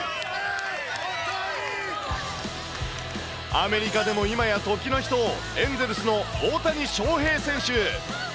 アメリカでも今や時の人、エンゼルスの大谷翔平選手。